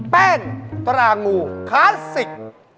แป้งตรางูคลาสสิก